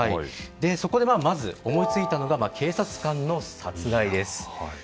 そこでまず思いついたのが警察官の殺害です。